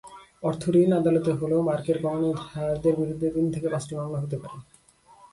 অর্থঋণ আদালতে হল-মার্কের কর্ণধারদের বিরুদ্ধে তিন থেকে পাঁচটি মামলা হতে পারে।